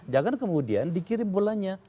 jangan kemudian dikirim bolanya